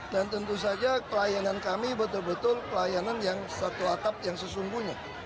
dan tentu saja pelayanan kami betul betul pelayanan yang satu atap yang sesungguhnya